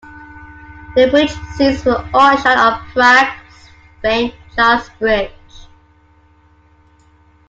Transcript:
The bridge scenes were all shot on Prague's famed Charles Bridge.